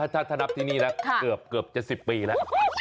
ถ้านับที่นี่ล่ะเกือบเจ็ดสิบปีละ